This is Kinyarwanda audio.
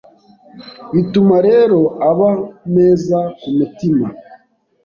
Bituma rero aba meza ku mutima